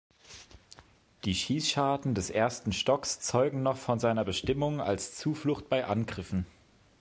Die Schießscharten des ersten Stocks zeugen noch von seiner Bestimmung als Zuflucht bei Angriffen.